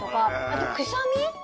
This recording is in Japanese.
あと、くしゃみ。